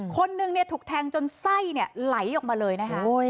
คนนึงถูกแทงจนไส้ไหลออกมาเลยนะคะ